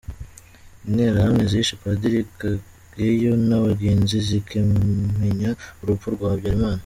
Interahamwe zishe Padiri Kageyo na bagenzi zikimenya urupfu rwa Habyarimana.